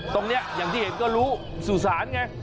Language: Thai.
อย่างที่เห็นก็รู้สุสานไง